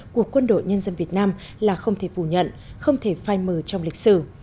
của quân đội nhân dân việt nam là không thể phủ nhận không thể phai mờ trong lịch sử